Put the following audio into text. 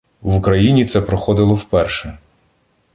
В Україні це проходило вперше.